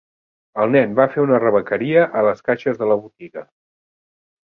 El nen va fer una rebequeria a les caixes de la botiga.